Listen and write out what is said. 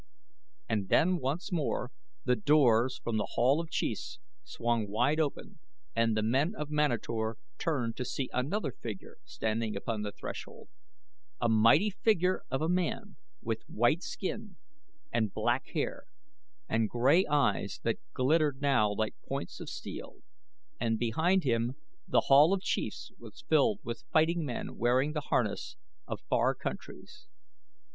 And then once more the doors from The Hall of Chiefs swung wide and the men of Manator turned to see another figure standing upon the threshold a mighty figure of a man with white skin, and black hair, and gray eyes that glittered now like points of steel and behind him The Hall of Chiefs was filled with fighting men wearing the harness of far countries.